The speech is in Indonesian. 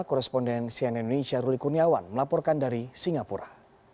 korespondensi yang indonesia ruli kuniawan melaporkan dari singapura